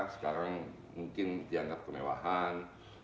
sekarang mungkin dianggap kemewahan